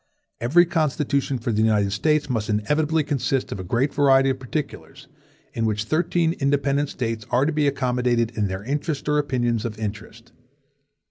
Every Constitution for the United States must inevitably consist of a great variety of particulars, in which thirteen independent States are to be accommodated in their interests or opinions of interest.